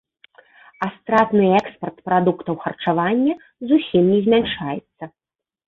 А стратны экспарт прадуктаў харчавання зусім не змяншаецца.